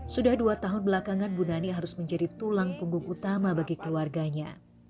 sudah dua tahun belakangan bu nani harus menjadi tulang punggung utama bagi keluarganya